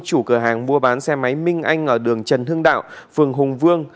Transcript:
chủ cửa hàng mua bán xe máy minh anh ở đường trần hưng đạo phường hùng vương